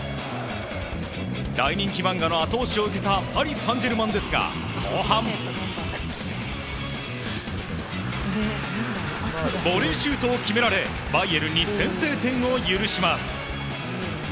大人気漫画の後押しを受けたパリ・サンジェルマンですが後半ボレーシュートを決められバイエルンに先制を決められます。